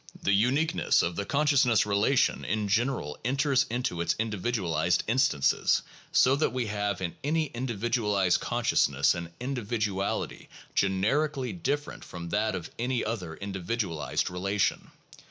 The uniqueness of the consciousness relation in general enters into its individualized instances, so that we have in any indi vidualized consciousness an individuality generically different from that of any other individualized relation.